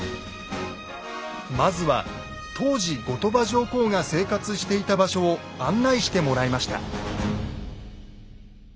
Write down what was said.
まずは当時後鳥羽上皇が生活していた場所を案内してもらいました。